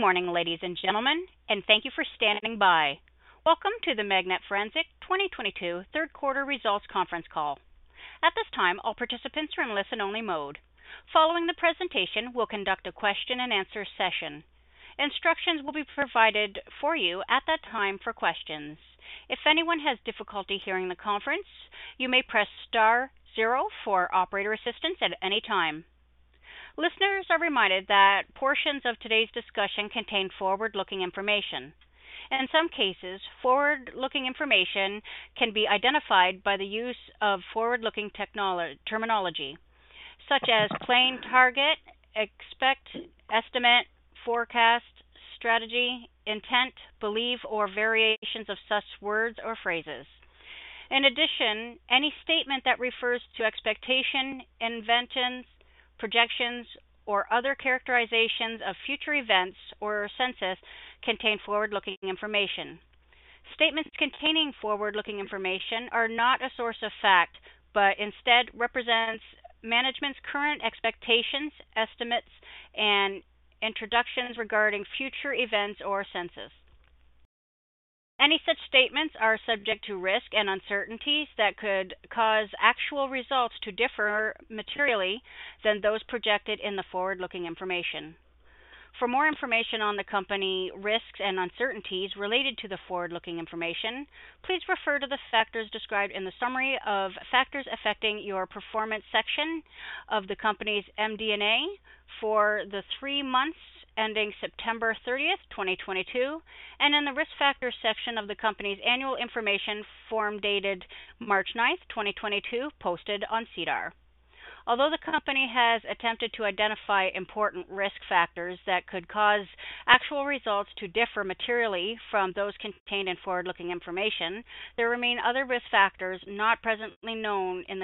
Good morning, ladies and gentlemen, and thank you for standing by. Welcome to the Magnet Forensics 2022 Third Quarter Results Conference Call. At this time, all participants are in listen-only mode. Following the presentation, we'll conduct a question-and-answer session. Instructions will be provided for you at that time for questions. If anyone has difficulty hearing the conference, you may press star zero for operator assistance at any time. Listeners are reminded that portions of today's discussion contain forward-looking information. In some cases, forward-looking information can be identified by the use of forward-looking terminology, such as plan, target, expect, estimate, forecast, strategy, intent, believe, or variations of such words or phrases. In addition, any statement that refers to expectation, intentions, projections, or other characterizations of future events or circumstances contain forward-looking information. Statements containing forward-looking information are not a source of fact, but instead represent management's current expectations, estimates, and projections regarding future events or circumstances. Any such statements are subject to risk and uncertainties that could cause actual results to differ materially from those projected in the forward-looking information. For more information on the company risks and uncertainties related to the forward-looking information, please refer to the factors described in the summary of factors affecting our performance section of the company's MD&A for the three months ending September 30, 2022, and in the risk factors section of the company's annual information form dated March 9, 2022, posted on SEDAR. Although the company has attempted to identify important risk factors that could cause actual results to differ materially from those contained in forward-looking information, there remain other risk factors not presently known to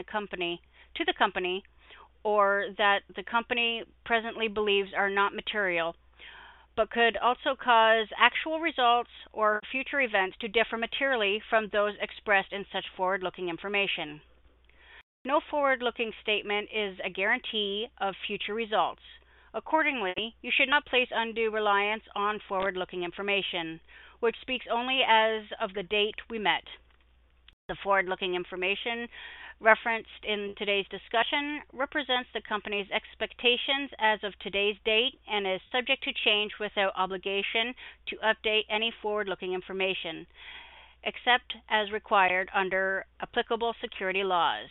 the company or that the company presently believes are not material, but could also cause actual results or future events to differ materially from those expressed in such forward-looking information. No forward-looking statement is a guarantee of future results. Accordingly, you should not place undue reliance on forward-looking information, which speaks only as of the date hereof. The forward-looking information referenced in today's discussion represents the company's expectations as of today's date and is subject to change without obligation to update any forward-looking information, except as required under applicable securities laws.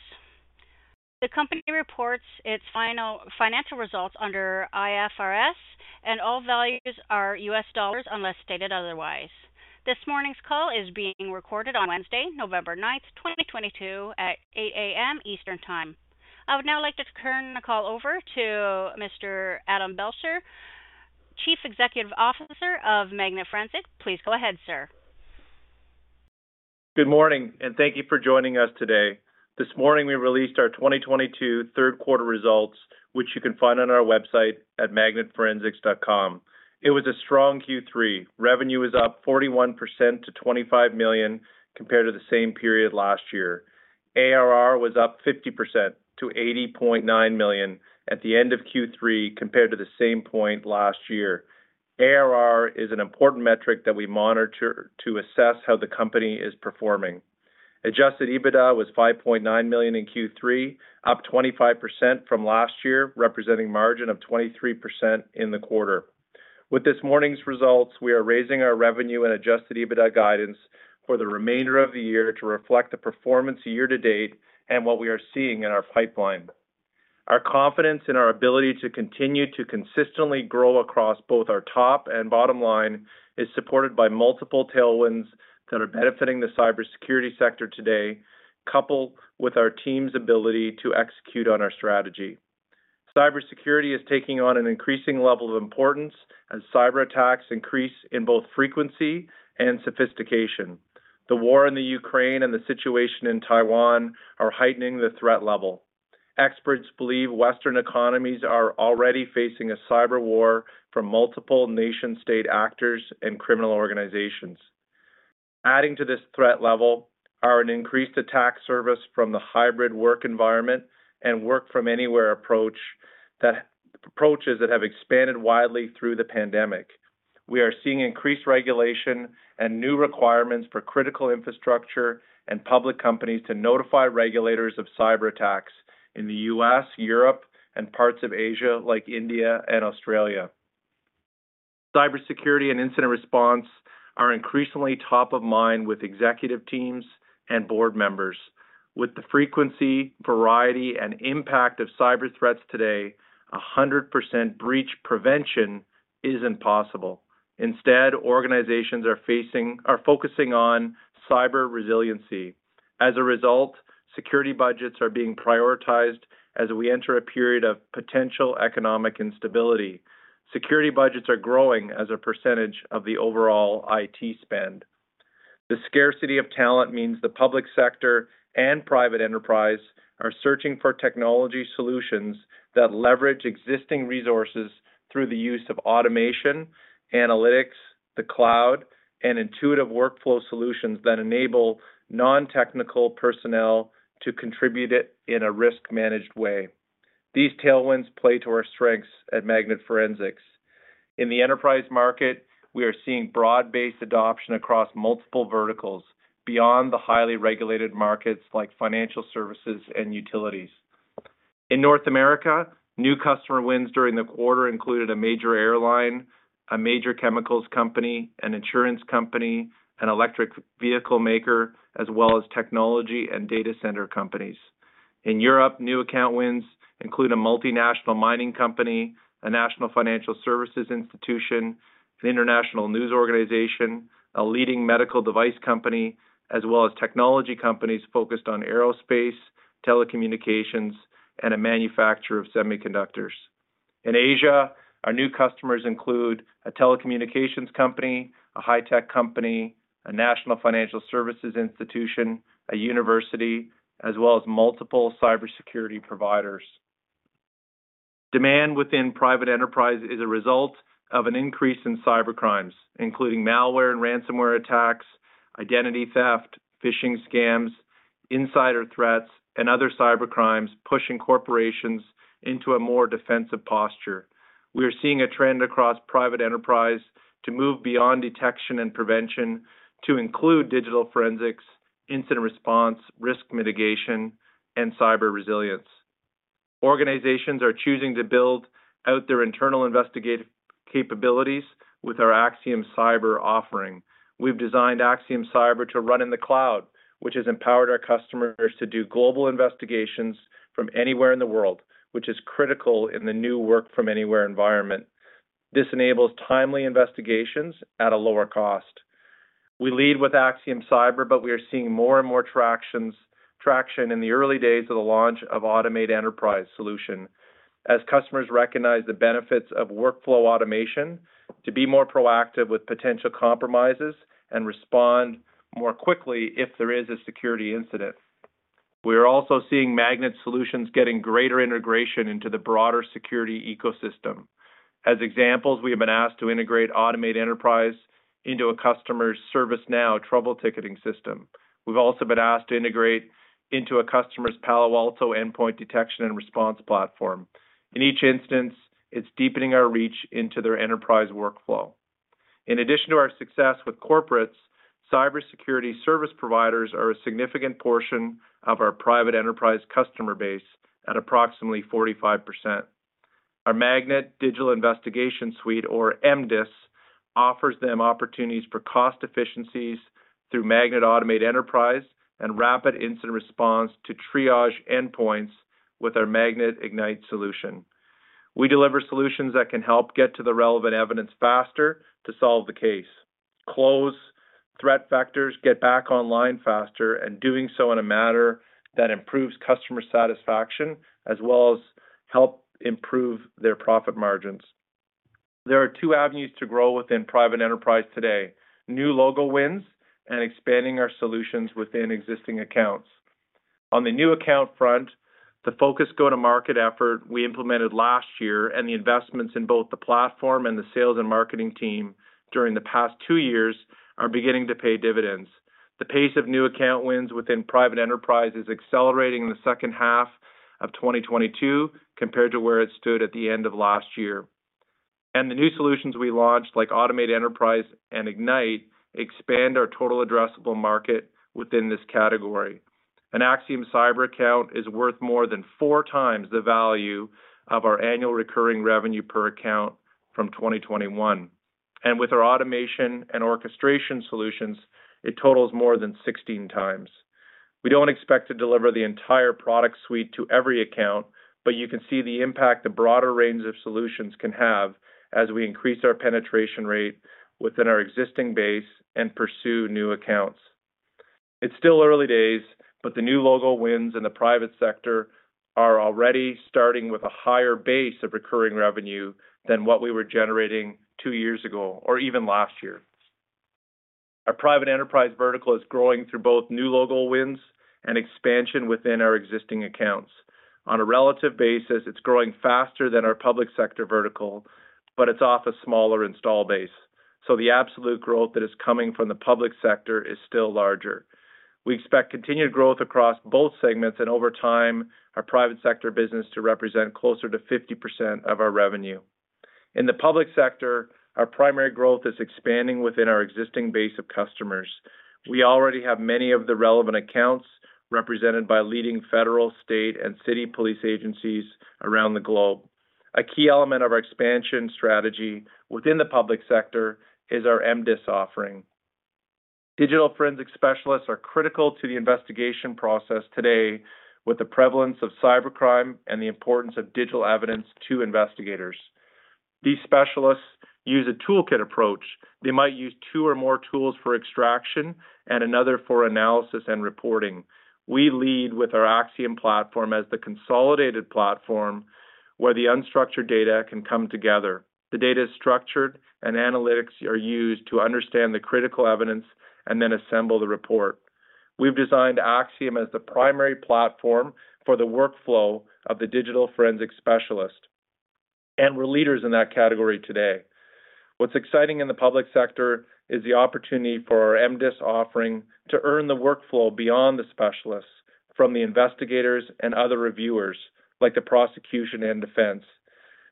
The company reports its fiscal financial results under IFRS, and all values are U.S. dollars unless stated otherwise. This morning's call is being recorded on Wednesday, November 9th, 2022, at 8:00 A.M. Eastern Time. I would now like to turn the call over to Mr. Adam Belsher, Chief Executive Officer of Magnet Forensics. Please go ahead, sir. Good morning, and thank you for joining us today. This morning, we released our 2022 third quarter results, which you can find on our website at magnetforensics.com. It was a strong Q3. Revenue was up 41% to 25 million compared to the same period last year. ARR was up 50% to 80.9 million at the end of Q3 compared to the same point last year. ARR is an important metric that we monitor to assess how the company is performing. Adjusted EBITDA was 5.9 million in Q3, up 25% from last year, representing margin of 23% in the quarter. With this morning's results, we are raising our revenue and adjusted EBITDA guidance for the remainder of the year to reflect the performance year-to-date and what we are seeing in our pipeline. Our confidence in our ability to continue to consistently grow across both our top and bottom line is supported by multiple tailwinds that are benefiting the cybersecurity sector today, coupled with our team's ability to execute on our strategy. Cybersecurity is taking on an increasing level of importance as cyberattacks increase in both frequency and sophistication. The war in the Ukraine and the situation in Taiwan are heightening the threat level. Experts believe Western economies are already facing a cyber war from multiple nation-state actors and criminal organizations. Adding to this threat level are an increased attack service from the hybrid work environment and work-from-anywhere approaches that have expanded widely through the pandemic. We are seeing increased regulation and new requirements for critical infrastructure and public companies to notify regulators of cyberattacks in the U.S., Europe, and parts of Asia like India and Australia. Cybersecurity and incident response are increasingly top of mind with executive teams and board members. With the frequency, variety, and impact of cyber threats today, 100% breach prevention isn't possible. Instead, organizations are focusing on cyber resiliency. As a result, security budgets are being prioritized as we enter a period of potential economic instability. Security budgets are growing as a percentage of the overall IT spend. The scarcity of talent means the public sector and private enterprise are searching for technology solutions that leverage existing resources through the use of automation, analytics, the cloud, and intuitive workflow solutions that enable non-technical personnel to contribute it in a risk-managed way. These tailwinds play to our strengths at Magnet Forensics. In the enterprise market, we are seeing broad-based adoption across multiple verticals beyond the highly regulated markets like financial services and utilities. In North America, new customer wins during the quarter included a major airline, a major chemicals company, an insurance company, an electric vehicle maker, as well as technology and data center companies. In Europe, new account wins include a multinational mining company, a national financial services institution, an international news organization, a leading medical device company, as well as technology companies focused on aerospace, telecommunications, and a manufacturer of semiconductors. In Asia, our new customers include a telecommunications company, a high-tech company, a national financial services institution, a university, as well as multiple cybersecurity providers. Demand within private enterprise is a result of an increase in cybercrimes, including malware and ransomware attacks, identity theft, phishing scams, insider threats, and other cybercrimes pushing corporations into a more defensive posture. We are seeing a trend across private enterprise to move beyond detection and prevention to include digital forensics, incident response, risk mitigation, and cyber resilience. Organizations are choosing to build out their internal investigative capabilities with our AXIOM Cyber offering. We've designed AXIOM Cyber to run in the cloud, which has empowered our customers to do global investigations from anywhere in the world, which is critical in the new work-from-anywhere environment. This enables timely investigations at a lower cost. We lead with AXIOM Cyber, but we are seeing more and more traction in the early days of the launch of AUTOMATE Enterprise solution as customers recognize the benefits of workflow automation to be more proactive with potential compromises and respond more quickly if there is a security incident. We are also seeing Magnet solutions getting greater integration into the broader security ecosystem. As examples, we have been asked to integrate Magnet AUTOMATE Enterprise into a customer's ServiceNow trouble ticketing system. We've also been asked to integrate into a customer's Palo Alto endpoint detection and response platform. In each instance, it's deepening our reach into their enterprise workflow. In addition to our success with corporates, cybersecurity service providers are a significant portion of our private enterprise customer base at approximately 45%. Our Magnet Digital Investigation Suite, or MDIS, offers them opportunities for cost efficiencies through Magnet AUTOMATE Enterprise and rapid incident response to triage endpoints with our Magnet IGNITE solution. We deliver solutions that can help get to the relevant evidence faster to solve the case, close threat vectors, get back online faster, and doing so in a manner that improves customer satisfaction as well as help improve their profit margins. There are two avenues to grow within private enterprise today, new logo wins and expanding our solutions within existing accounts. On the new account front, the focused go-to-market effort we implemented last year and the investments in both the platform and the sales and marketing team during the past two years are beginning to pay dividends. The pace of new account wins within private enterprise is accelerating in the second half of 2022 compared to where it stood at the end of last year. The new solutions we launched, like Magnet AUTOMATE Enterprise and Magnet IGNITE, expand our total addressable market within this category. A Magnet AXIOM Cyber account is worth more than 4x the value of our annual recurring revenue per account from 2021. With our automation and orchestration solutions, it totals more than 16x. We don't expect to deliver the entire product suite to every account, but you can see the impact the broader range of solutions can have as we increase our penetration rate within our existing base and pursue new accounts. It's still early days, but the new logo wins in the private sector are already starting with a higher base of recurring revenue than what we were generating two years ago or even last year. Our private enterprise vertical is growing through both new logo wins and expansion within our existing accounts. On a relative basis, it's growing faster than our public sector vertical, but it's off a smaller install base, so the absolute growth that is coming from the public sector is still larger. We expect continued growth across both segments and over time, our private sector business to represent closer to 50% of our revenue. In the public sector, our primary growth is expanding within our existing base of customers. We already have many of the relevant accounts represented by leading federal, state, and city police agencies around the globe. A key element of our expansion strategy within the public sector is our MDIS offering. Digital forensic specialists are critical to the investigation process today with the prevalence of cybercrime and the importance of digital evidence to investigators. These specialists use a toolkit approach. They might use two or more tools for extraction and another for analysis and reporting. We lead with our AXIOM platform as the consolidated platform where the unstructured data can come together. The data is structured, and analytics are used to understand the critical evidence and then assemble the report. We've designed AXIOM as the primary platform for the workflow of the digital forensic specialist. We're leaders in that category today. What's exciting in the public sector is the opportunity for our MDIS offering to own the workflow beyond the specialists from the investigators and other reviewers, like the prosecution and defense.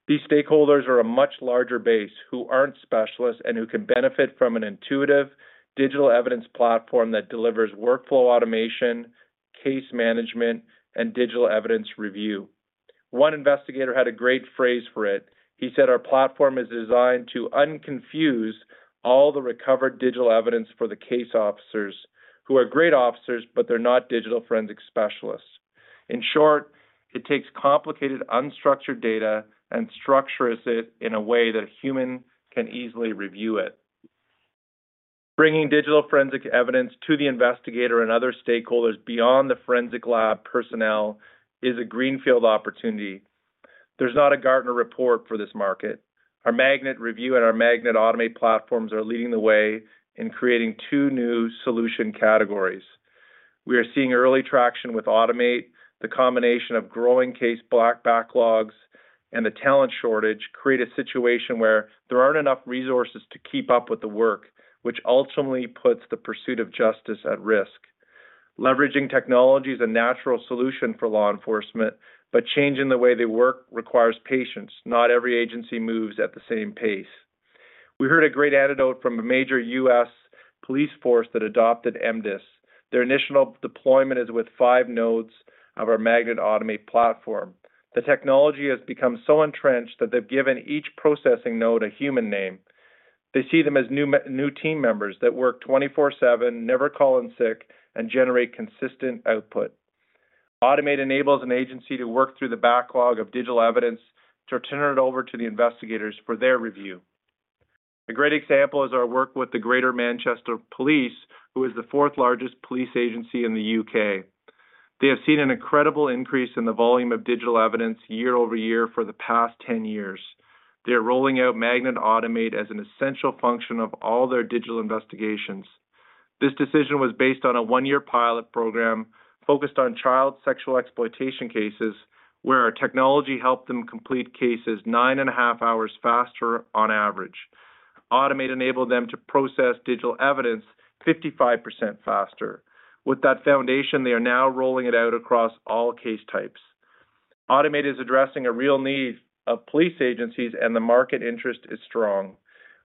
These stakeholders are a much larger base who aren't specialists and who can benefit from an intuitive digital evidence platform that delivers workflow automation, case management, and digital evidence review. One investigator had a great phrase for it. He said, our platform is designed to unconfuse all the recovered digital evidence for the case officers who are great officers, but they're not digital forensic specialists. In short, it takes complicated, unstructured data and structures it in a way that a human can easily review it. Bringing digital forensic evidence to the investigator and other stakeholders beyond the forensic lab personnel is a greenfield opportunity. There's not a Gartner report for this market. Our Magnet REVIEW and our Magnet AUTOMATE platforms are leading the way in creating two new solution categories. We are seeing early traction with AUTOMATE, the combination of growing case backlogs, and the talent shortage create a situation where there aren't enough resources to keep up with the work, which ultimately puts the pursuit of justice at risk. Leveraging technology is a natural solution for law enforcement, but changing the way they work requires patience. Not every agency moves at the same pace. We heard a great anecdote from a major U.S. police force that adopted MDIS. Their initial deployment is with five nodes of our Magnet AUTOMATE platform. The technology has become so entrenched that they've given each processing node a human name. They see them as new team members that work 24/7, never call in sick, and generate consistent output. AUTOMATE enables an agency to work through the backlog of digital evidence to turn it over to the investigators for their review. A great example is our work with the Greater Manchester Police, who is the fourth largest police agency in the U.K. They have seen an incredible increase in the volume of digital evidence year-over-year for the past 10 years. They are rolling out Magnet AUTOMATE as an essential function of all their digital investigations. This decision was based on a one-year pilot program focused on child sexual exploitation cases, where our technology helped them complete cases nine and half hours faster on average. Magnet AUTOMATE enabled them to process digital evidence 55% faster. With that foundation, they are now rolling it out across all case types. Magnet AUTOMATE is addressing a real need of police agencies, and the market interest is strong.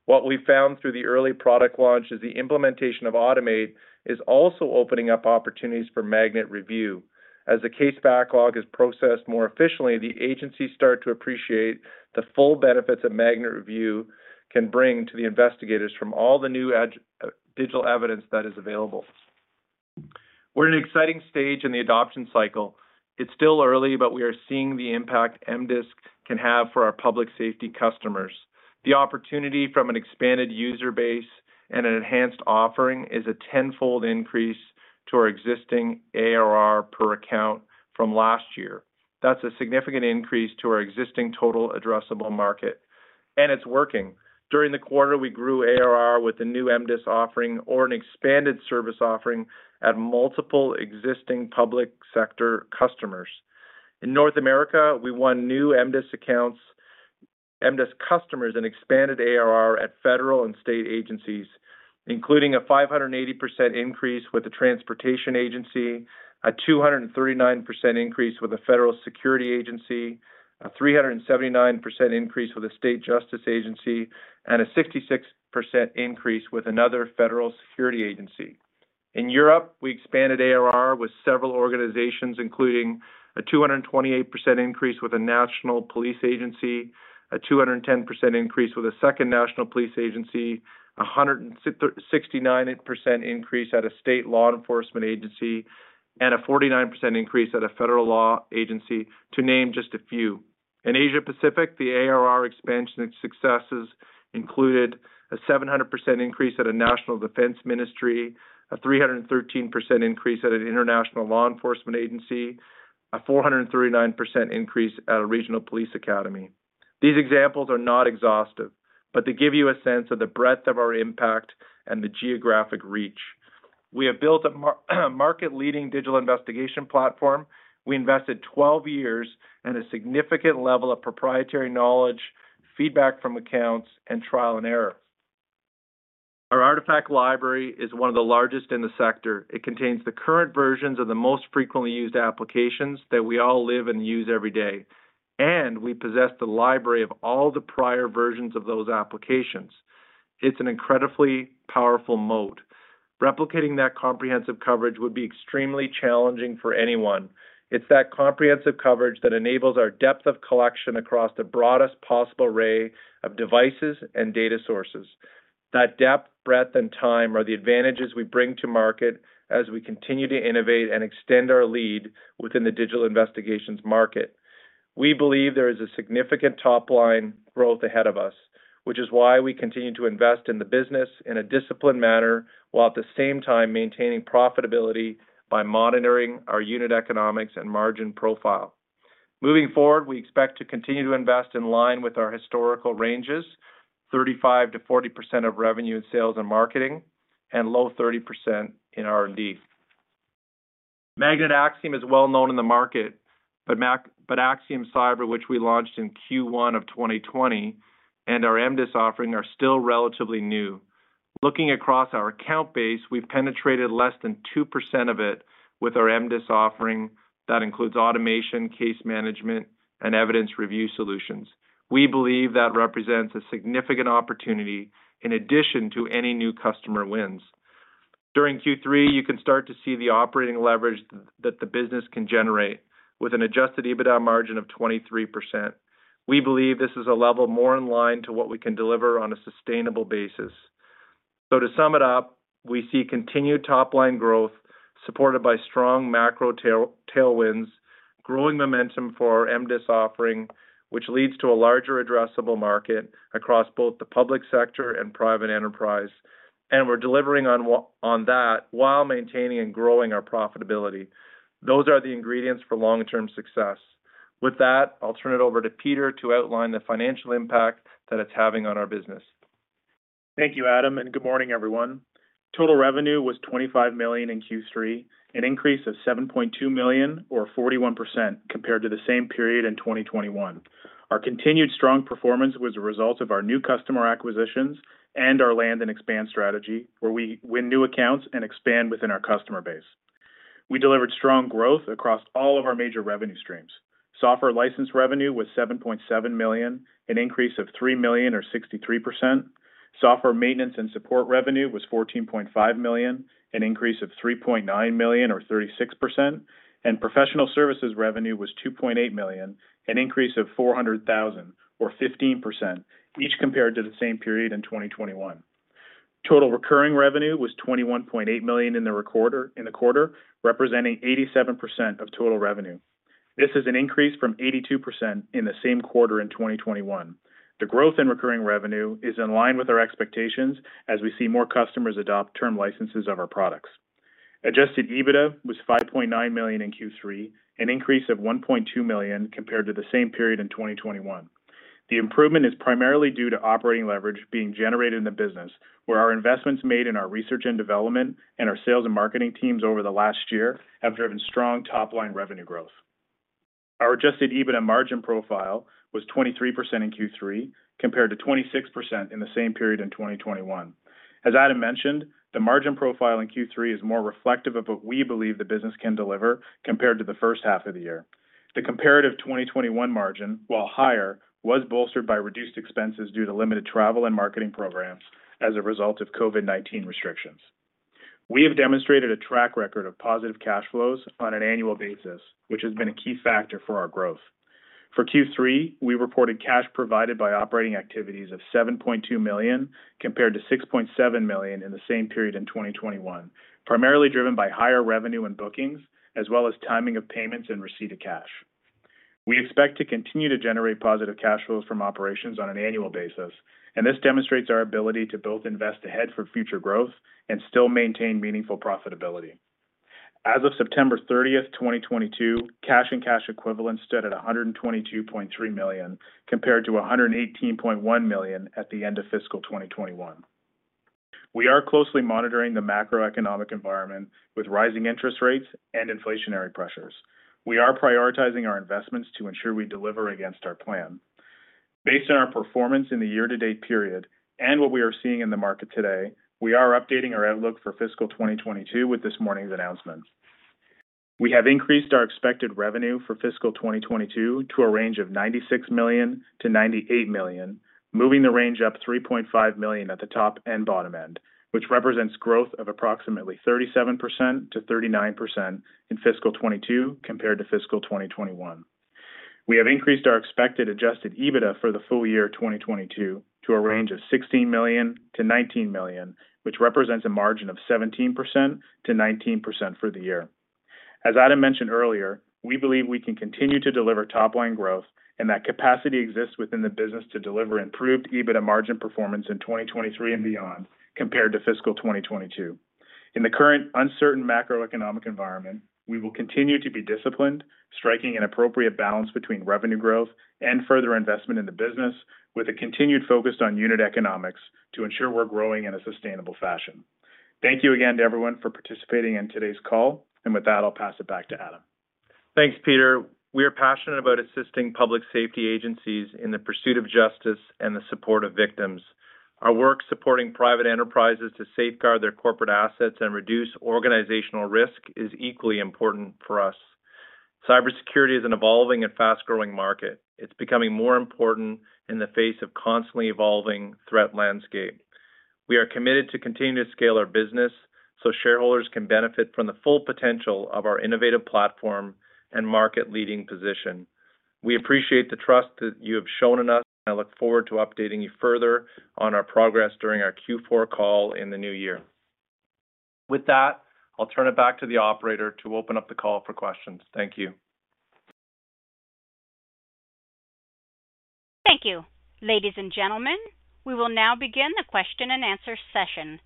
What we found through the early product launch is the implementation of AUTOMATE is also opening up opportunities for Magnet REVIEW. As the case backlog is processed more efficiently, the agencies start to appreciate the full benefits a Magnet REVIEW can bring to the investigators from all the new digital evidence that is available. We're at an exciting stage in the adoption cycle. It's still early, but we are seeing the impact MDIS can have for our public safety customers. The opportunity from an expanded user base and an enhanced offering is a tenfold increase to our existing ARR per account from last year. That's a significant increase to our existing total addressable market, and it's working. During the quarter, we grew ARR with the new MDIS offering or an expanded service offering at multiple existing public sector customers. In North America, we won new MDIS accounts, MDIS customers, and expanded ARR at federal and state agencies, including a 580 increase with the Transportation Agency, a 239 increase with the Federal Security Agency, a 379 increase with the State Justice Agency, and a 66 increase with another Federal Security Agency. In Europe, we expanded ARR with several organizations, including a 228 increase with a National Police Agency, a 210 increase with a second National Police Agency, a 169 increase at a State Law Enforcement Agency, and a 49 increase at a Federal Law Agency, to name just a few. In Asia Pacific, the ARR expansion successes included a 700 increase at a National Defense Ministry, a 313 increase at an International Law Enforcement Agency, a 439 increase at a Regional Police Academy. These examples are not exhaustive, but they give you a sense of the breadth of our impact and the geographic reach. We have built a market-leading digital investigation platform. We invested 12 years at a significant level of proprietary knowledge, feedback from accounts, and trial and error. Our artifact library is one of the largest in the sector. It contains the current versions of the most frequently used applications that we all live and use every day, and we possess the library of all the prior versions of those applications. It's an incredibly powerful moat. Replicating that comprehensive coverage would be extremely challenging for anyone. It's that comprehensive coverage that enables our depth of collection across the broadest possible array of devices and data sources. That depth, breadth, and time are the advantages we bring to market as we continue to innovate and extend our lead within the digital investigations market. We believe there is a significant top-line growth ahead of us, which is why we continue to invest in the business in a disciplined manner while at the same time maintaining profitability by monitoring our unit economics and margin profile. Moving forward, we expect to continue to invest in line with our historical ranges, 35%-40% of revenue in sales and marketing and low 30% in R&D. Magnet AXIOM is well known in the market, but AXIOM Cyber, which we launched in Q1 of 2020, and our MDIS offering are still relatively new. Looking across our account base, we've penetrated less than 2% of it with our MDIS offering. That includes automation, case management, and evidence review solutions. We believe that represents a significant opportunity in addition to any new customer wins. During Q3, you can start to see the operating leverage that the business can generate with an adjusted EBITDA margin of 23%. We believe this is a level more in line to what we can deliver on a sustainable basis. To sum it up, we see continued top-line growth supported by strong macro tailwinds, growing momentum for our MDIS offering, which leads to a larger addressable market across both the public sector and private enterprise. We're delivering on that while maintaining and growing our profitability. Those are the ingredients for long-term success. With that, I'll turn it over to Peter to outline the financial impact that it's having on our business. Thank you, Adam, and good morning, everyone. Total revenue was 25 million in Q3, an increase of 7.2 million or 41% compared to the same period in 2021. Our continued strong performance was a result of our new customer acquisitions and our land and expand strategy, where we win new accounts and expand within our customer base. We delivered strong growth across all of our major revenue streams. Software license revenue was 7.7 million, an increase of 3 million or 63%. Software maintenance and support revenue was 14.5 million, an increase of 3.9 million or 36%. Professional services revenue was 2.8 million, an increase of 400,000 or 15%, each compared to the same period in 2021. Total recurring revenue was 21.8 million in the quarter, representing 87% of total revenue. This is an increase from 82% in the same quarter in 2021. The growth in recurring revenue is in line with our expectations as we see more customers adopt term licenses of our products. Adjusted EBITDA was 5.9 million in Q3, an increase of 1.2 million compared to the same period in 2021. The improvement is primarily due to operating leverage being generated in the business where our investments made in our research and development and our sales and marketing teams over the last year have driven strong top-line revenue growth. Our adjusted EBITDA margin profile was 23% in Q3 compared to 26% in the same period in 2021. As Adam mentioned, the margin profile in Q3 is more reflective of what we believe the business can deliver compared to the first half of the year. The comparative 2021 margin, while higher, was bolstered by reduced expenses due to limited travel and marketing programs as a result of COVID-19 restrictions. We have demonstrated a track record of positive cash flows on an annual basis, which has been a key factor for our growth. For Q3, we reported cash provided by operating activities of 7.2 million, compared to 6.7 million in the same period in 2021, primarily driven by higher revenue and bookings, as well as timing of payments and receipt of cash. We expect to continue to generate positive cash flows from operations on an annual basis, and this demonstrates our ability to both invest ahead for future growth and still maintain meaningful profitability. As of September 30, 2022, cash and cash equivalents stood at 122.3 million, compared to 118.1 million at the end of fiscal 2021. We are closely monitoring the macroeconomic environment with rising interest rates and inflationary pressures. We are prioritizing our investments to ensure we deliver against our plan. Based on our performance in the year-to-date period and what we are seeing in the market today, we are updating our outlook for fiscal 2022 with this morning's announcements. We have increased our expected revenue for fiscal 2022 to a range of 96 million-98 million, moving the range up 3.5 million at the top and bottom end, which represents growth of approximately 37%-39% in fiscal 2022 compared to fiscal 2021. We have increased our expected adjusted EBITDA for the full year of 2022 to a range of 16 million-19 million, which represents a margin of 17%-19% for the year. As Adam mentioned earlier, we believe we can continue to deliver top line growth and that capacity exists within the business to deliver improved EBITDA margin performance in 2023 and beyond, compared to fiscal 2022. In the current uncertain macroeconomic environment, we will continue to be disciplined, striking an appropriate balance between revenue growth and further investment in the business with a continued focus on unit economics to ensure we're growing in a sustainable fashion. Thank you again to everyone for participating in today's call. With that, I'll pass it back to Adam. Thanks, Peter. We are passionate about assisting public safety agencies in the pursuit of justice and the support of victims. Our work supporting private enterprises to safeguard their corporate assets and reduce organizational risk is equally important for us. Cybersecurity is an evolving and fast-growing market. It's becoming more important in the face of constantly evolving threat landscape. We are committed to continuing to scale our business so shareholders can benefit from the full potential of our innovative platform and market leading position. We appreciate the trust that you have shown in us, and I look forward to updating you further on our progress during our Q4 call in the new year. With that, I'll turn it back to the operator to open up the call for questions. Thank you. Thank you. Ladies and gentlemen, we will now begin the question and answer session.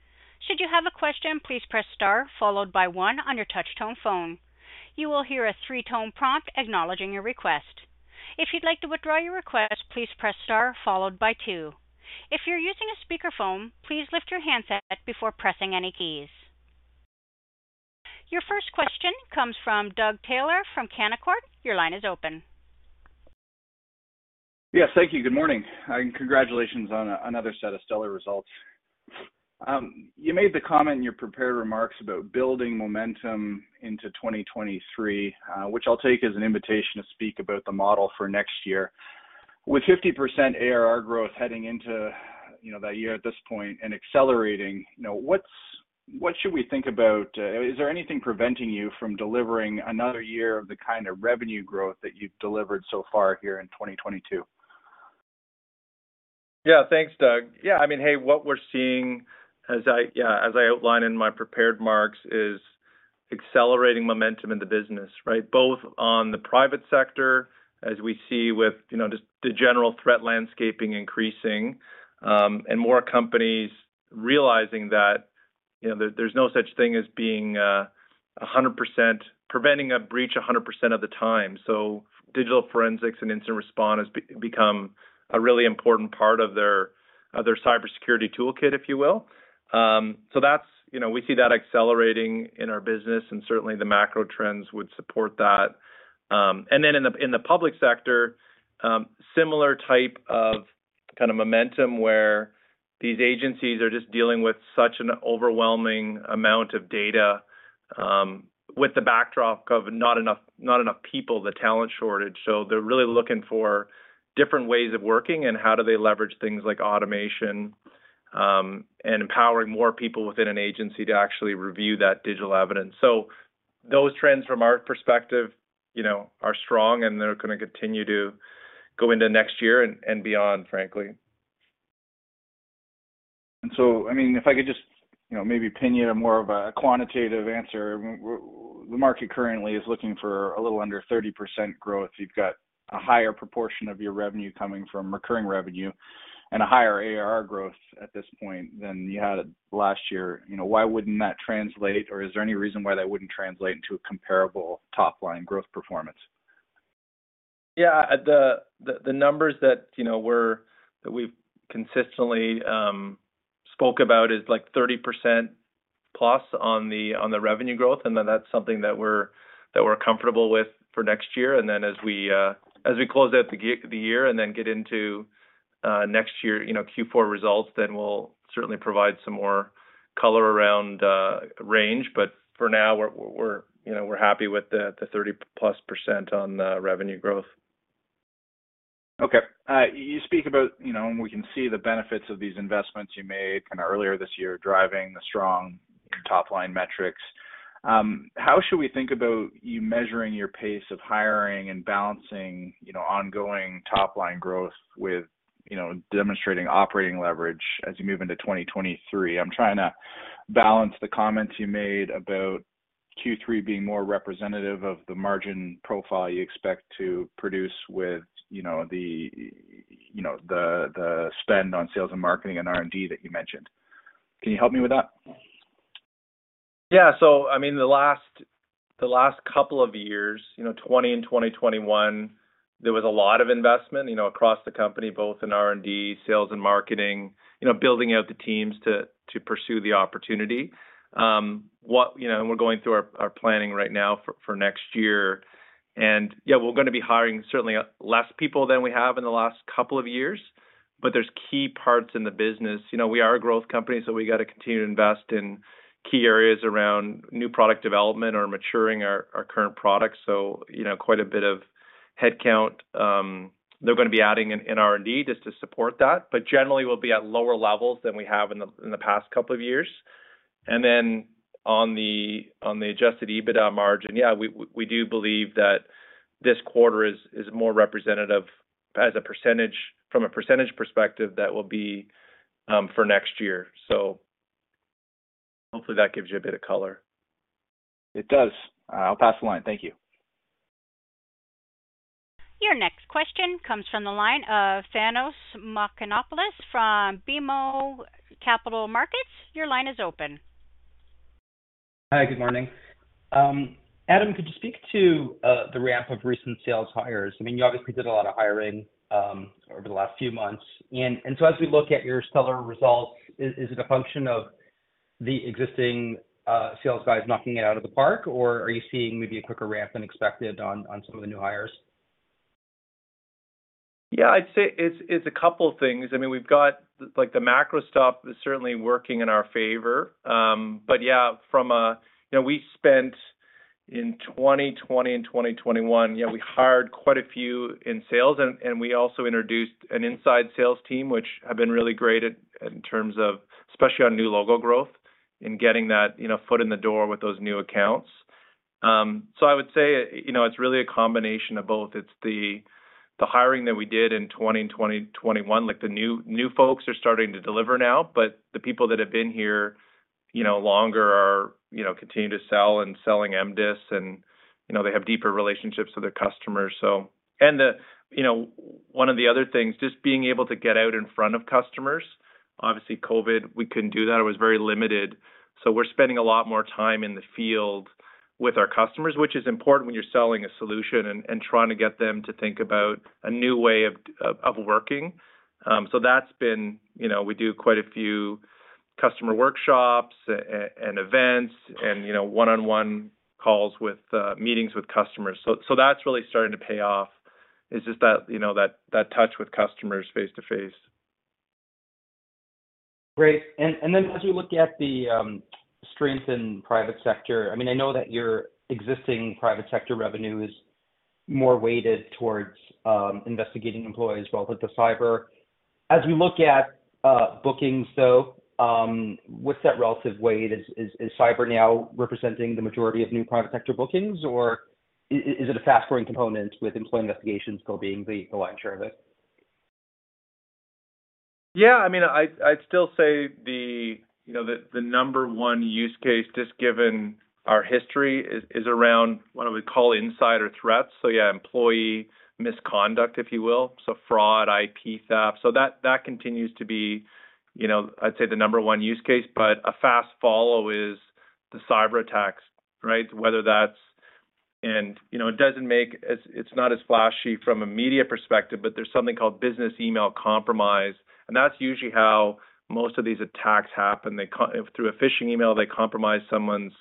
Should you have a question, please press star followed by one on your touch-tone phone. You will hear a three-tone prompt acknowledging your request. If you'd like to withdraw your request, please press star followed by two. If you're using a speakerphone, please lift your handset before pressing any keys. Your first question comes from Doug Taylor from Canaccord Genuity. Your line is open. Yes, thank you. Good morning, and congratulations on another set of stellar results. You made the comment in your prepared remarks about building momentum into 2023, which I'll take as an invitation to speak about the model for next year. With 50% ARR growth heading into, you know, that year at this point and accelerating, you know, what should we think about? Is there anything preventing you from delivering another year of the kind of revenue growth that you've delivered so far here in 2022? Yeah. Thanks, Doug. I mean, hey, what we're seeing as I outlined in my prepared remarks is accelerating momentum in the business, right? Both on the private sector as we see with, you know, just the general threat landscape increasing, and more companies realizing that, you know, there's no such thing as preventing a breach 100% of the time. Digital forensics and incident response has become a really important part of their cybersecurity toolkit, if you will. That's. You know, we see that accelerating in our business, and certainly, the macro trends would support that. In the public sector, similar type of kind of momentum where these agencies are just dealing with such an overwhelming amount of data, with the backdrop of not enough people, the talent shortage. They're really looking for different ways of working and how do they leverage things like automation, and empowering more people within an agency to actually review that digital evidence. Those trends from our perspective, you know, are strong, and they're gonna continue to go into next year and beyond, frankly. I mean, if I could just, you know, maybe pin you to more of a quantitative answer. The market currently is looking for a little under 30% growth. You've got a higher proportion of your revenue coming from recurring revenue and a higher ARR growth at this point than you had last year. You know, why wouldn't that translate, or is there any reason why that wouldn't translate into a comparable top-line growth performance? Yeah. The numbers that we've consistently spoke about is like 30%+ on the revenue growth, and then that's something that we're comfortable with for next year. Then as we close out the year and then get into next year, you know, Q4 results, then we'll certainly provide some more color around range. For now, you know, we're happy with the 30%+ on the revenue growth. Okay. You speak about, you know, and we can see the benefits of these investments you made kinda earlier this year, driving the strong top-line metrics. How should we think about you measuring your pace of hiring and balancing, you know, ongoing top-line growth with, you know, demonstrating operating leverage as you move into 2023? I'm trying to balance the comments you made about Q3 being more representative of the margin profile you expect to produce with, you know, the spend on sales and marketing and R&D that you mentioned. Can you help me with that? Yeah. I mean, the last couple of years, you know, 2020 and 2021, there was a lot of investment, you know, across the company, both in R&D, sales, and marketing, you know, building out the teams to pursue the opportunity. You know, we're going through our planning right now for next year. Yeah, we're gonna be hiring certainly less people than we have in the last couple of years, but there's key parts in the business. You know, we are a growth company, so we gotta continue to invest in key areas around new product development or maturing our current products. You know, quite a bit of headcount they're gonna be adding in R&D just to support that. Generally we'll be at lower levels than we have in the past couple of years. On the adjusted EBITDA margin, yeah, we do believe that this quarter is more representative as a percentage, from a percentage perspective that will be for next year. Hopefully that gives you a bit of color. It does. I'll pass the line. Thank you. Your next question comes from the line of Thanos Moschopoulos from BMO Capital Markets. Your line is open. Hi, good morning. Adam, could you speak to the ramp of recent sales hires? I mean, you obviously did a lot of hiring over the last few months and so as we look at your stellar results, is it a function of the existing sales guys knocking it out of the park, or are you seeing maybe a quicker ramp than expected on some of the new hires? Yeah, I'd say it's a couple of things. I mean, we've got like the macro stuff is certainly working in our favor. Yeah, you know, we spent in 2020 and 2021, you know, we hired quite a few in sales and we also introduced an inside sales team, which have been really great at in terms of especially on new logo growth in getting that, you know, foot in the door with those new accounts. I would say, you know, it's really a combination of both. It's the hiring that we did in 2020, 2021, like the new folks are starting to deliver now, but the people that have been here, you know, longer are, you know, continuing to sell and selling MDIS and, you know, they have deeper relationships with their customers. You know, one of the other things, just being able to get out in front of customers. Obviously COVID, we couldn't do that. It was very limited. We're spending a lot more time in the field with our customers, which is important when you're selling a solution and trying to get them to think about a new way of working. That's been. You know, we do quite a few customer workshops and events and, you know, one-on-one calls with meetings with customers. That's really starting to pay off, is just that, you know, that touch with customers face-to-face. Great. As you look at the strength in private sector, I mean, I know that your existing private sector revenue is more weighted towards investigating employees rather than cyber. As you look at bookings, though, what's that relative weight? Is cyber now representing the majority of new private sector bookings, or is it a fast-growing component with employee investigations still being the lion's share of it? Yeah. I mean, I'd still say the, you know, the number one use case, just given our history is around what we call insider threats. Yeah, employee misconduct, if you will. Fraud, IP theft. That continues to be, you know, I'd say the number one use case. But a fast follow is the cyberattacks, right? Whether that's. You know, it's not as flashy from a media perspective, but there's something called business email compromise, and that's usually how most of these attacks happen. Through a phishing email, they compromise someone's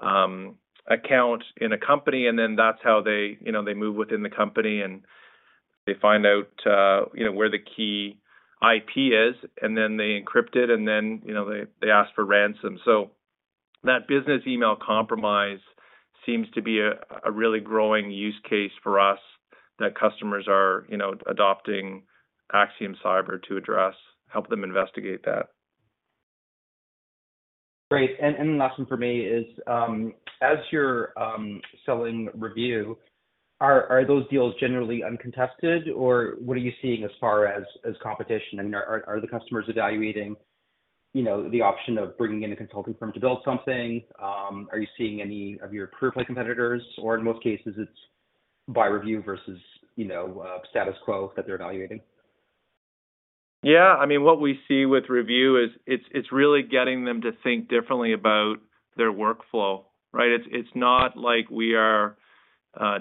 account in a company, and then that's how they, you know, they move within the company and they find out, you know, where the key IP is, and then they encrypt it, and then, you know, they ask for ransom. That business email compromise seems to be a really growing use case for us that customers are, you know, adopting AXIOM Cyber to address, help them investigate that. Great. The last one for me is, as you're selling REVIEW, are those deals generally uncontested, or what are you seeing as far as competition? I mean, are the customers evaluating, you know, the option of bringing in a consulting firm to build something? Are you seeing any of your pure play competitors, or in most cases it's buy REVIEW versus, you know, status quo that they're evaluating? Yeah. I mean, what we see with REVIEW is it's really getting them to think differently about their workflow, right? It's not like we are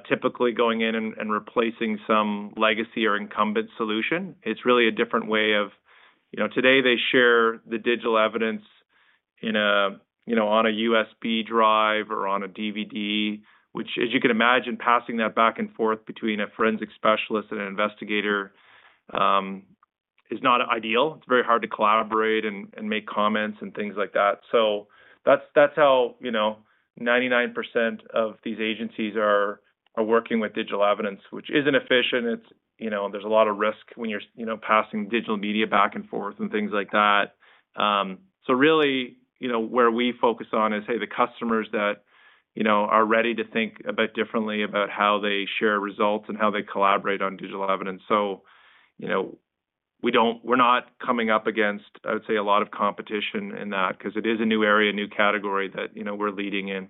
typically going in and replacing some legacy or incumbent solution. It's really a different way of you know, today they share the digital evidence, you know, on a USB drive or on a DVD, which as you can imagine, passing that back and forth between a forensic specialist and an investigator is not ideal. It's very hard to collaborate and make comments and things like that. So that's how, you know, 99% of these agencies are working with digital evidence, which isn't efficient. It's, you know, there's a lot of risk when you're, you know, passing digital media back and forth and things like that. Really, you know, where we focus on is, hey, the customers that, you know, are ready to think a bit differently about how they share results and how they collaborate on digital evidence. You know, we're not coming up against, I would say, a lot of competition in that because it is a new area, new category that, you know, we're leading in.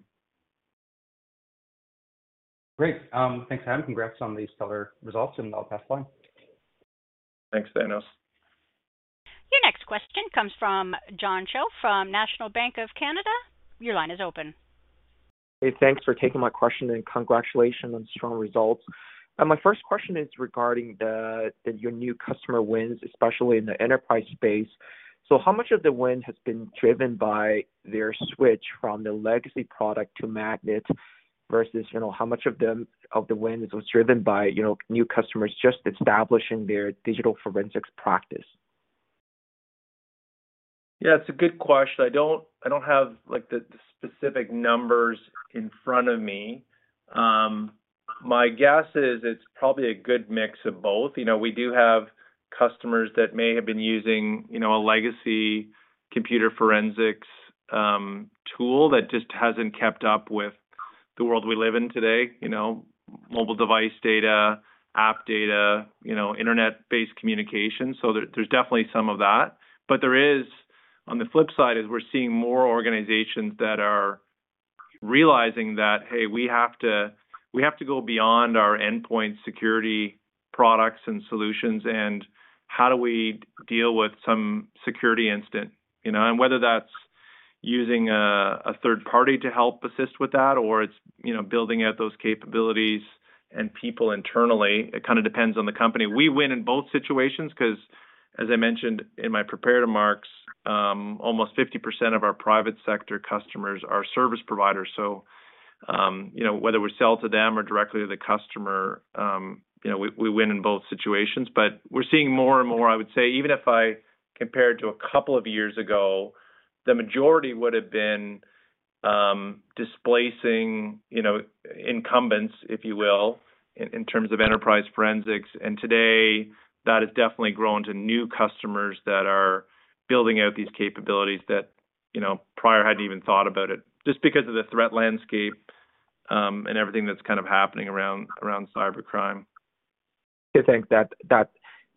Great. Thanks, Adam. Congrats on the stellar results, and I'll pass the line. Thanks, Thanos. Your next question comes from John Shao from National Bank of Canada. Your line is open. Hey, thanks for taking my question, and congratulations on strong results. My first question is regarding your new customer wins, especially in the enterprise space. How much of the win has been driven by their switch from the legacy product to Magnet versus, you know, how much of the win was driven by, you know, new customers just establishing their digital forensics practice? Yeah, it's a good question. I don't have like the specific numbers in front of me. My guess is it's probably a good mix of both. You know, we do have customers that may have been using you know a legacy computer forensics tool that just hasn't kept up with the world we live in today. You know, mobile device data, app data, you know, internet-based communication. So there's definitely some of that. On the flip side is we're seeing more organizations that are realizing that, hey, we have to go beyond our endpoint security products and solutions, and how do we deal with some security incident, you know? Whether that's using a third party to help assist with that or it's, you know, building out those capabilities and people internally, it kind of depends on the company. We win in both situations 'cause as I mentioned in my prepared remarks, almost 50% of our private sector customers are service providers. You know, whether we sell to them or directly to the customer, you know, we win in both situations. We're seeing more and more, I would say, even if I compared to a couple of years ago, the majority would have been displacing, you know, incumbents, if you will, in terms of enterprise forensics. Today, that has definitely grown to new customers that are building out these capabilities that, you know, prior hadn't even thought about it just because of the threat landscape, and everything that's kind of happening around cybercrime. Okay, thanks.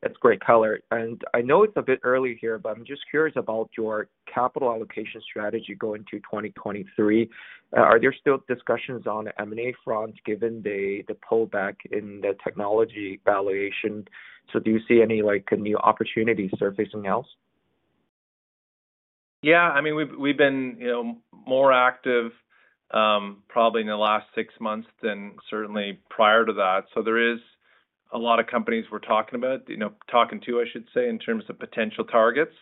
That's great color. I know it's a bit early here, but I'm just curious about your capital allocation strategy going into 2023. Are there still discussions on M&A front given the pullback in the technology valuation? Do you see any, like, new opportunities there or anything else? Yeah, I mean, we've been, you know, more active probably in the last six months than certainly prior to that. There is a lot of companies we're talking about, you know, talking to, I should say, in terms of potential targets.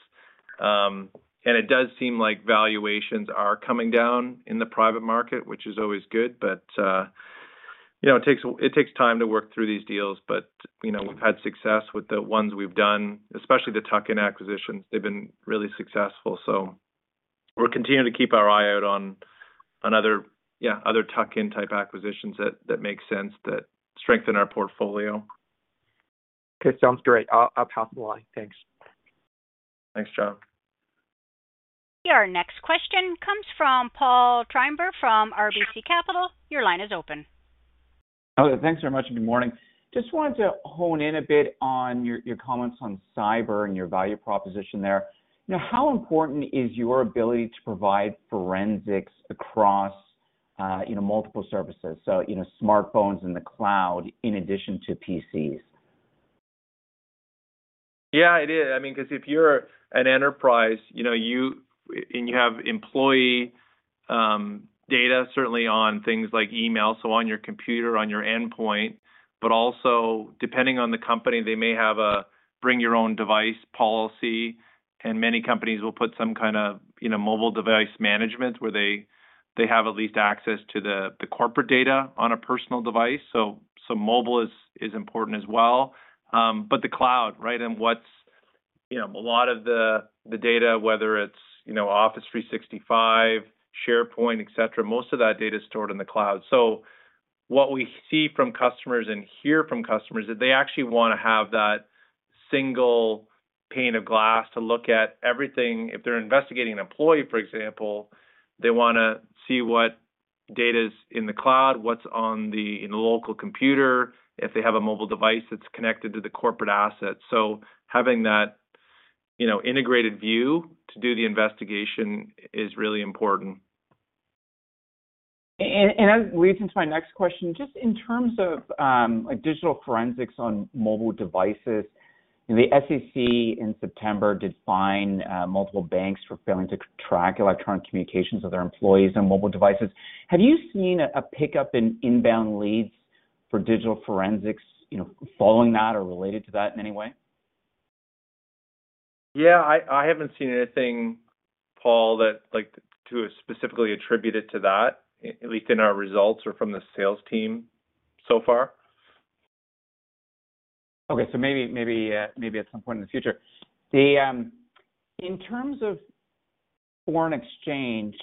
It does seem like valuations are coming down in the private market, which is always good. You know, it takes time to work through these deals. You know, we've had success with the ones we've done, especially the tuck-in acquisitions. They've been really successful. We're continuing to keep our eye out on other tuck-in type acquisitions that make sense, that strengthen our portfolio. Okay, sounds great. I'll pass the line. Thanks. Thanks, John. Your next question comes from Paul Treiber from RBC Capital Markets. Your line is open. Okay. Thanks very much, and good morning. Just wanted to hone in a bit on your comments on cyber and your value proposition there. You know, how important is your ability to provide forensics across, you know, multiple services, so, you know, smartphones and the cloud in addition to PCs? Yeah, it is. I mean, 'cause if you're an enterprise, you know, and you have employee data certainly on things like email, so on your computer, on your endpoint, but also depending on the company, they may have a bring your own device policy, and many companies will put some kind of, you know, mobile device management where they have at least access to the corporate data on a personal device. So mobile is important as well. But the cloud, right? What's, you know, a lot of the data, whether it's, you know, Office 365, SharePoint, et cetera, most of that data is stored in the cloud. So what we see from customers and hear from customers, that they actually wanna have that single pane of glass to look at everything. If they're investigating an employee, for example, they wanna see what data's in the cloud, what's on the, you know, local computer, if they have a mobile device that's connected to the corporate asset. Having that, you know, integrated view to do the investigation is really important. That leads into my next question. Just in terms of digital forensics on mobile devices, you know, the SEC in September fined multiple banks for failing to track electronic communications of their employees on mobile devices. Have you seen a pickup in inbound leads for digital forensics, you know, following that or related to that in any way? Yeah, I haven't seen anything, Paul, that like to specifically attribute it to that, at least in our results or from the sales team so far. Maybe at some point in the future. In terms of foreign exchange,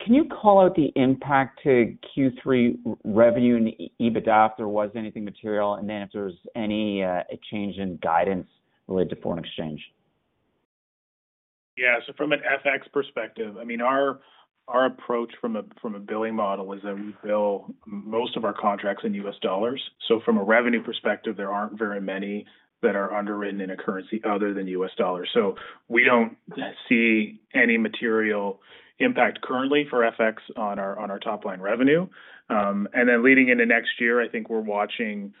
can you call out the impact to Q3 revenue and EBITDA if there was anything material? Then if there's any change in guidance related to foreign exchange. Yeah. From an FX perspective, I mean, our approach from a billing model is that we bill most of our contracts in U.S. dollars. From a revenue perspective, there aren't very many that are underwritten in a currency other than U.S. dollars. We don't see any material impact currently for FX on our top line revenue. Leading into next year, I think we're watching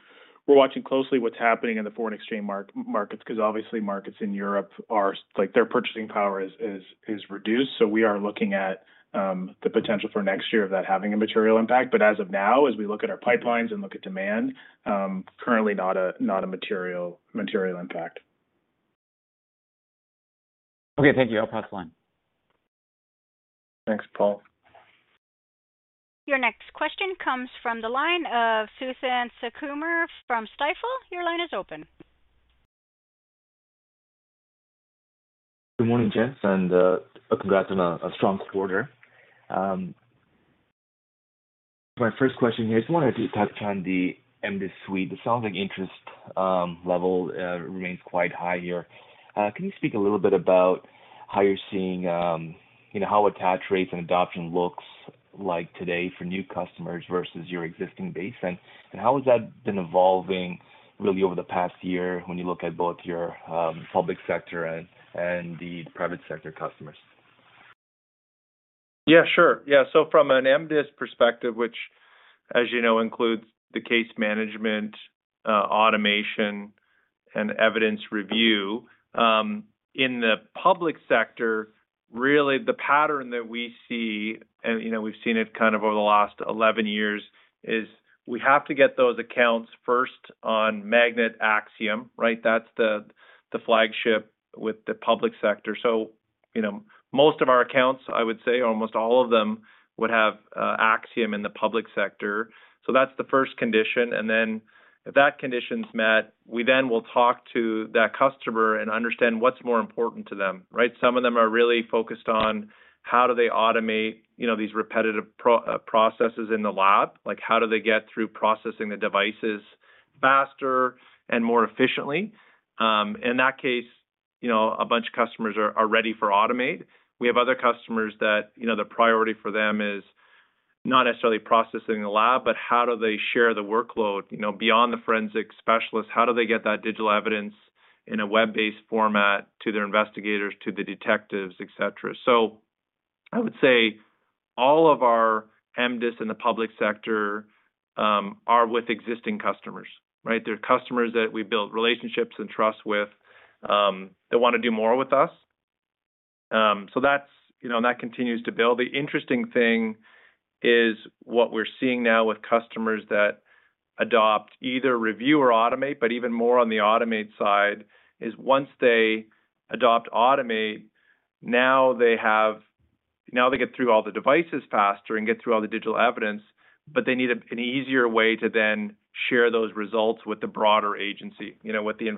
closely what's happening in the foreign exchange markets 'cause obviously markets in Europe are like their purchasing power is reduced. We are looking at the potential for next year of that having a material impact. As of now, as we look at our pipelines and look at demand, currently not a material impact. Okay, thank you. I'll pass the line. Thanks, Paul. Your next question comes from the line of Suthan Sukumar from Stifel. Your line is open. Good morning, gents, and congrats on a strong quarter. My first question here, just wanted to touch on the MDIS suite. It sounds like interest level remains quite high here. Can you speak a little bit about how you're seeing, you know, how attach rates and adoption looks like today for new customers versus your existing base? How has that been evolving really over the past year when you look at both your public sector and the private sector customers? Yeah, sure. Yeah. From an MDIS perspective, which as you know, includes the case management, automation and evidence review, in the public sector, really the pattern that we see and, you know, we've seen it kind of over the last 11 years, is we have to get those accounts first on Magnet AXIOM, right? That's the flagship with the public sector. You know, most of our accounts, I would say almost all of them would have AXIOM in the public sector. That's the first condition. Then if that condition's met, we then will talk to that customer and understand what's more important to them, right? Some of them are really focused on how do they automate, you know, these repetitive processes in the lab. Like, how do they get through processing the devices faster and more efficiently? In that case, you know, a bunch of customers are ready for AUTOMATE. We have other customers that, you know, the priority for them is not necessarily processing the lab, but how do they share the workload, you know, beyond the forensic specialist? How do they get that digital evidence in a web-based format to their investigators, to the detectives, et cetera? I would say all of our MDIS in the public sector are with existing customers, right? They're customers that we built relationships and trust with that wanna do more with us. That's, you know, and that continues to build. The interesting thing is what we're seeing now with customers that adopt either REVIEW or AUTOMATE, but even more on the AUTOMATE side, is once they adopt AUTOMATE, now they have, now they get through all the devices faster and get through all the digital evidence, but they need an easier way to then share those results with the broader agency, you know, with the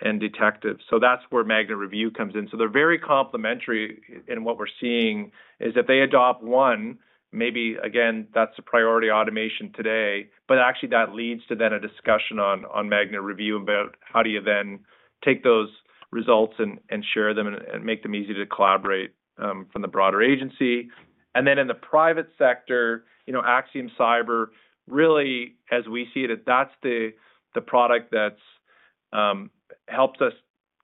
investigators and detectives. That's where Magnet REVIEW comes in. They're very complementary, and what we're seeing is if they adopt one, maybe again, that's the priority automation today, but actually that leads to then a discussion on Magnet REVIEW about how do you then take those results and share them and make them easy to collaborate from the broader agency. In the private sector, you know, AXIOM Cyber really, as we see it, that's the product that's helps us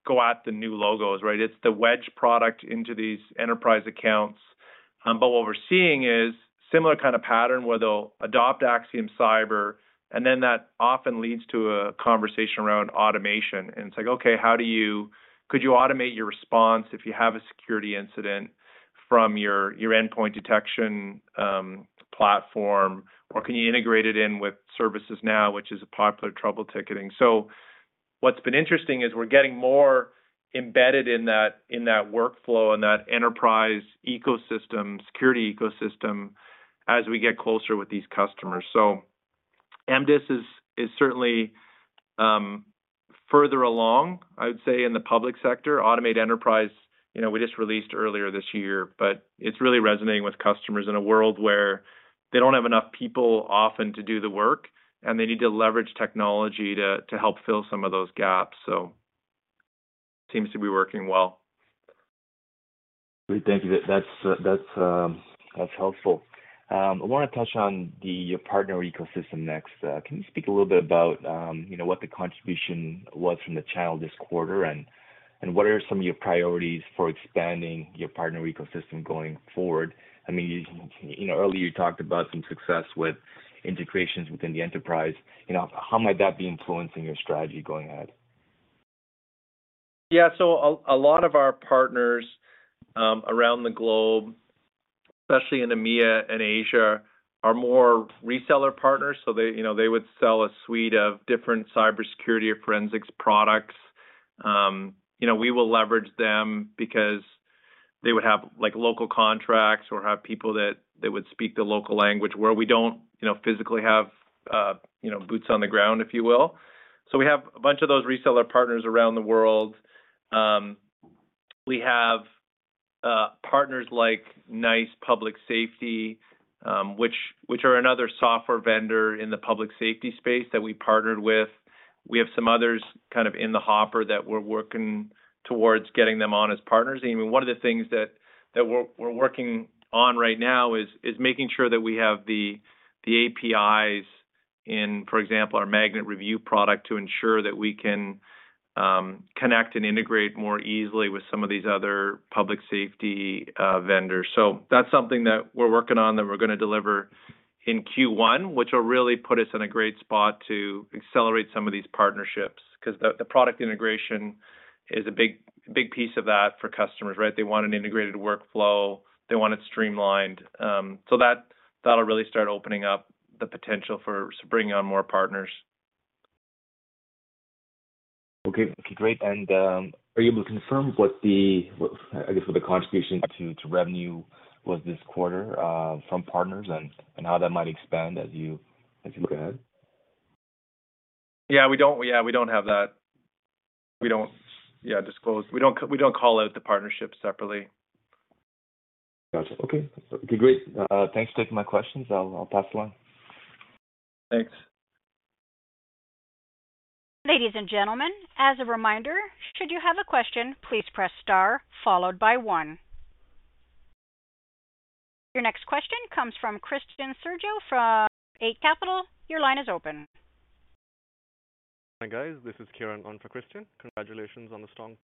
go at the new logos, right? It's the wedge product into these enterprise accounts. what we're seeing is similar kind of pattern where they'll adopt AXIOM Cyber, and then that often leads to a conversation around automation. It's like, okay, could you AUTOMATE your response if you have a security incident from your endpoint detection platform? Or can you integrate it in with ServiceNow, which is a popular trouble ticketing. What's been interesting is we're getting more embedded in that workflow, in that enterprise ecosystem, security ecosystem as we get closer with these customers. MDIS is certainly further along, I would say in the public sector. AUTOMATE Enterprise, you know, we just released earlier this year, but it's really resonating with customers in a world where they don't have enough people often to do the work, and they need to leverage technology to help fill some of those gaps. Seems to be working well. Great. Thank you. That's helpful. I wanna touch on the partner ecosystem next. Can you speak a little bit about, you know, what the contribution was from the channel this quarter, and what are some of your priorities for expanding your partner ecosystem going forward? I mean, you know, earlier you talked about some success with integrations within the enterprise. You know, how might that be influencing your strategy going ahead? Yeah. A lot of our partners around the globe, especially in EMEA and Asia, are more reseller partners, so they, you know, they would sell a suite of different cybersecurity or forensics products. You know, we will leverage them because they would have, like, local contracts or have people that would speak the local language where we don't, you know, physically have boots on the ground, if you will. We have a bunch of those reseller partners around the world. We have partners like NICE Public Safety, which are another software vendor in the public safety space that we partnered with. We have some others kind of in the hopper that we're working towards getting them on as partners. Even one of the things that we're working on right now is making sure that we have the APIs in, for example, our Magnet REVIEW product to ensure that we can connect and integrate more easily with some of these other public safety vendors. That's something that we're working on that we're gonna deliver in Q1, which will really put us in a great spot to accelerate some of these partnerships, 'cause the product integration is a big piece of that for customers, right? They want an integrated workflow. They want it streamlined. That'll really start opening up the potential for bringing on more partners. Okay. Great. Are you able to confirm what the contribution to revenue was this quarter from partners and how that might expand as you look ahead? We don't have that. We don't disclose. We don't call out the partnerships separately. Gotcha. Okay. Okay, great. Thanks for taking my questions. I'll pass the line. Thanks. Ladies and gentlemen, as a reminder, should you have a question, please press star followed by one. Your next question comes from Christian Sgro from Eight Capital. Your line is open. Hi, guys. This is Kiran on for Christian. Congratulations on the strong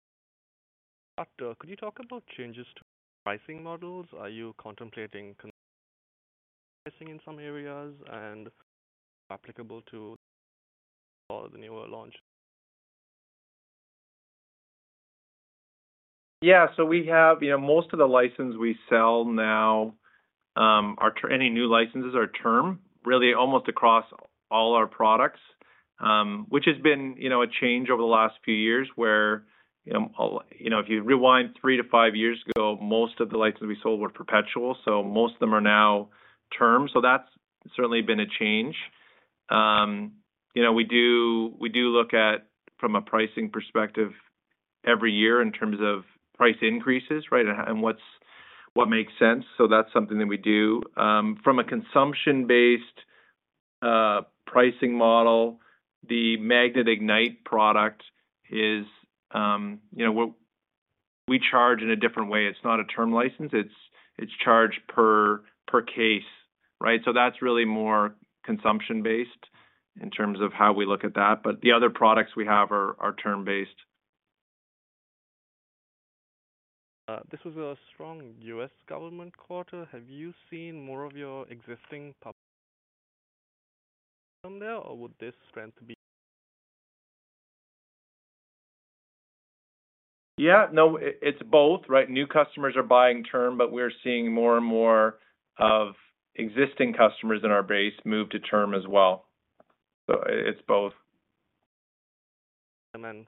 start. Could you talk about changes to pricing models? Are you contemplating pricing in some areas and applicable to all the newer launch? Yeah. We have, you know, most of the licenses we sell now are term. Any new licenses are term, really almost across all our products, which has been, you know, a change over the last few years where, you know, if you rewind three to five years ago, most of the licenses we sold were perpetual, so most of them are now term. That's certainly been a change. You know, we do look at from a pricing perspective every year in terms of price increases, right? What makes sense. That's something that we do. From a consumption-based pricing model, the Magnet IGNITE product is. We charge in a different way. It's not a term license. It's charged per case, right? That's really more consumption-based. In terms of how we look at that, but the other products we have are term-based. This was a strong U.S. government quarter. Have you seen more of your existing from there, or would this trend be. Yeah. No, it's both, right? New customers are buying term, but we're seeing more and more of existing customers in our base move to term as well. It's both.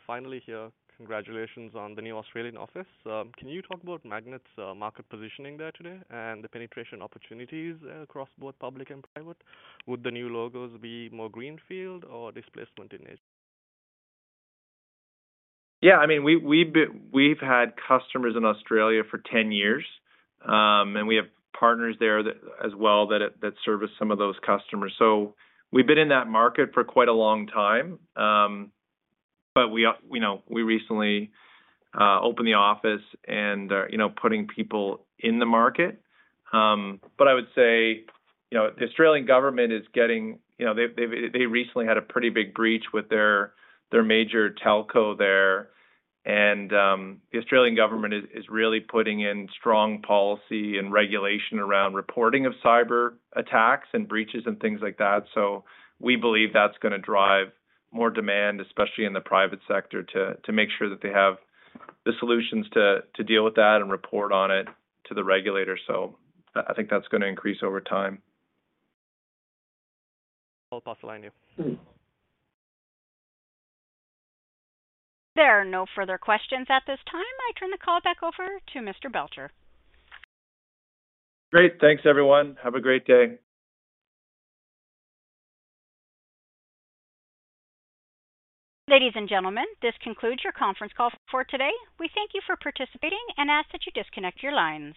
Finally here, congratulations on the new Australian office. Can you talk about Magnet's market positioning there today and the penetration opportunities across both public and private? Would the new logos be more greenfield or displacement in. Yeah, I mean, we've had customers in Australia for 10 years. We have partners there that service some of those customers. We've been in that market for quite a long time. We recently opened the office and are putting people in the market. I would say the Australian government is getting. They've recently had a pretty big breach with their major telco there. The Australian government is really putting in strong policy and regulation around reporting of cyber attacks and breaches and things like that. We believe that's gonna drive more demand, especially in the private sector, to make sure that they have the solutions to deal with that and report on it to the regulator. I think that's gonna increase over time. You. There are no further questions at this time. I turn the call back over to Mr. Belsher. Great. Thanks, everyone. Have a great day. Ladies and gentlemen, this concludes your conference call for today. We thank you for participating and ask that you disconnect your lines.